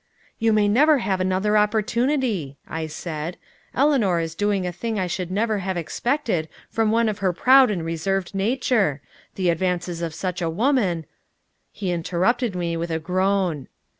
"You may never have another opportunity," I said. "Eleanor is doing a thing I should never have expected from one of her proud and reserved nature. The advances of such a woman " He interrupted me with a groan.